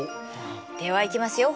ではいきますよ